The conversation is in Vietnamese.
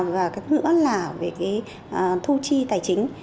và thứ nữa là về thu chi tài chính